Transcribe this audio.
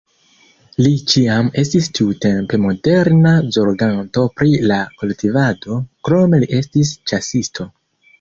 Li ĉiam estis tiutempe moderna zorganto pri la kultivado, krome li estis ĉasisto.